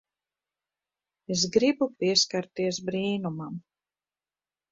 Es gribu pieskarties brīnumam.